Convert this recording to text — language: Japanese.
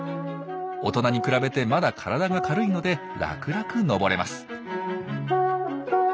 大人に比べてまだ体が軽いので楽々登れます。